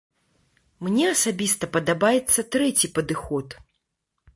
Мне асабіста падабаецца трэці падыход.